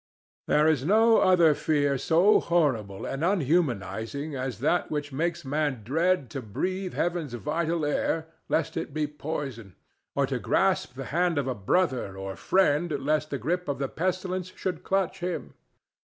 There is no other fear so horrible and unhumanizing as that which makes man dread to breathe heaven's vital air lest it be poison, or to grasp the hand of a brother or friend lest the grip of the pestilence should clutch him.